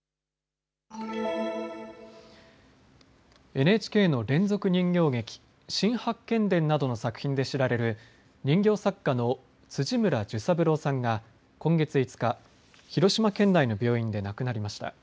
ＮＨＫの連続人形劇、新八犬伝などの作品で知られる人形作家の辻村寿三郎さんが今月５日、広島県内の病院で亡くなりました。